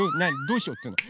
どうしようっていうの？